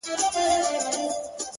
دا څه ليونى دی بيا يې وويل.!